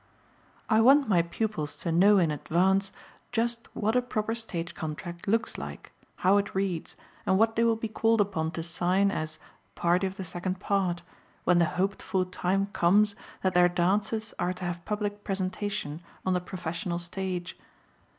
I want my pupils to know in advance just what a proper stage contract looks like, how it reads, and what they will be called upon to sign as "party of the second part" when the hoped for time comes that their dances are to have public presentation on the professional stage.